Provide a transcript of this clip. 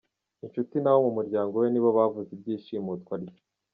Inshuti n’abo mu muryango we ni bo bavuze iby’ishimutwa rye.